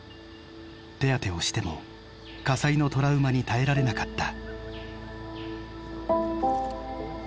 手当てをしても火災のトラウマに耐えられなかった。